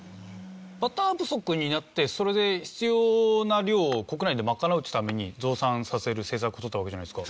バター不足になってそれで必要な量を国内で賄うために増産させる政策をとったわけじゃないですか。